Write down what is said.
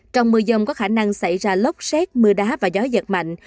trong mưa dông có khả năng xảy ra lốc xét mưa đá và gió giật mạnh